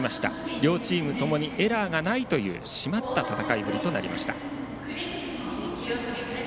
両チームともにエラーがないという締まった戦いぶりとなりました。